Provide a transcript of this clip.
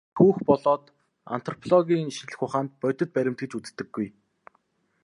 Домгийг түүх болоод антропологийн шинжлэх ухаанд бодит баримт гэж үздэггүй.